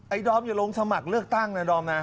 ดอมอย่าลงสมัครเลือกตั้งนะดอมนะ